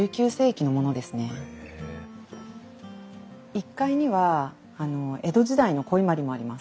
１階には江戸時代の古伊万里もあります。